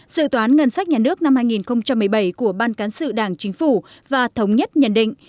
dự toán ngân sách nhà nước năm hai nghìn một mươi bảy của ban cán sự đảng chính phủ và thống nhất nhận định